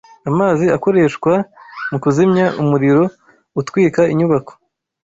Amazi akoreshwa mu kuzimya umuriro utwika inyubako